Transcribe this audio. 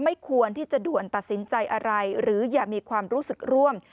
ไม่ควรที่จะด่วนตัดสินใจอะไรหรืออย่ามีความรู้สึกร่วม